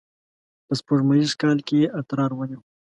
په سپوږمیز کال کې یې اترار ونیو.